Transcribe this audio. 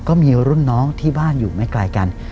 ก็มีรุ่นน้องที่บ้านอยู่ไม่ไกลกัน